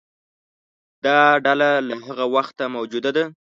دا ډله له هغه وخته موجوده ده.